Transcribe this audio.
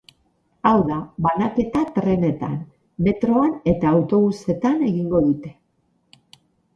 Hau da, banaketa trenetan, metroan eta autobusetan egingo dute.